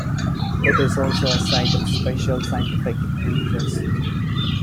It is also a Site of Special Scientific Interest.